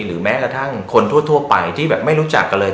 แม้กระทั่งคนทั่วไปที่แบบไม่รู้จักกันเลย